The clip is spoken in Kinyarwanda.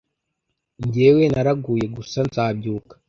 Jyewe naraguye gusa nzabyuka